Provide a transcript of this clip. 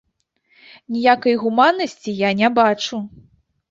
Ніякай гуманнасці я не бачу.